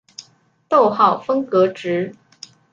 逗号分隔值。